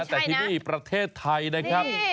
แต่ที่นี่ประเทศไทยนะครับ